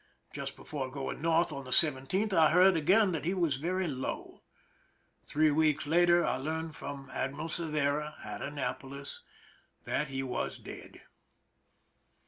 Just before going North on the 17th, I heard again that he was very low. Three weeks later I learned from Admiral Cervera, at Annapolis, that he was dead.